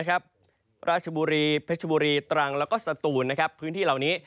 ราชบุรีเพชรบุรีตรังแล้วก็สตูนพื้นที่เหล่านี้